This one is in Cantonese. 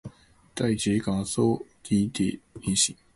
第一時間會搵好多親信嚟幫手